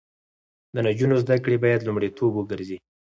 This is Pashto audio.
د نجونو زده کړې باید لومړیتوب وګرځي.